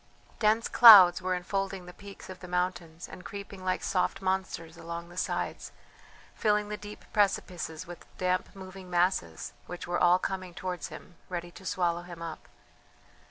Dense clouds were enfolding the peaks of the mountains and creeping like soft monsters along the sides, filling the deep precipices with damp moving masses which were all coming towards him ready to swallow him up.